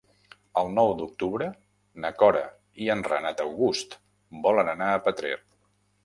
El nou d'octubre na Cora i en Renat August volen anar a Petrer.